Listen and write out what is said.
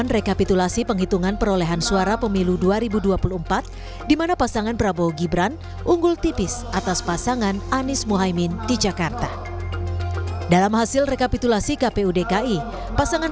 rekapitulasi hasil perolehan suara pemilu presiden wakil presiden untuk provinsi dki jakarta dapat diterima ya